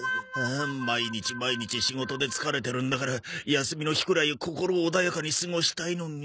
毎日毎日仕事で疲れてるんだから休みの日くらい心穏やかに過ごしたいのに。